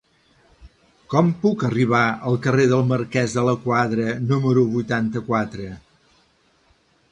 Com puc arribar al carrer del Marquès de la Quadra número vuitanta-quatre?